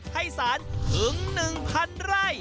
ให้สารถึงหนึ่งพันไร่